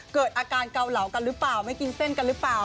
เกิดอาการเกาเหลากันหรือเปล่าไม่กินเส้นกันหรือเปล่า